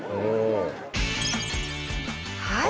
はい。